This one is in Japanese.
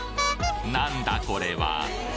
何だこれは？